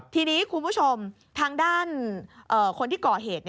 ทีนี้คุณผู้ชมทางด้านคนที่ก่อเหตุ